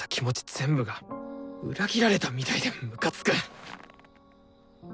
全部が裏切られたみたいでムカつく！